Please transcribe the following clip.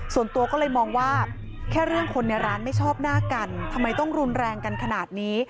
ส่วนตัวก็เลยมองว่าแค่เรื่องคนในร้านไม่ชอบหน้ากันทำไมต้องรุนแรงกันขนาดนี้